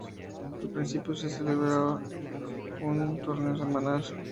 Al principio se celebraba un torneo semanal.